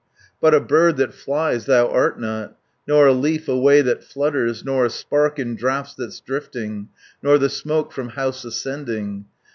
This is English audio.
"But a bird that flies thou art not, Nor a leaf away that flutters, 270 Nor a spark in drafts that's drifting, Nor the smoke from house ascending.